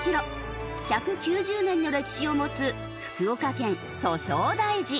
１９０年の歴史を持つ福岡県祖聖大寺。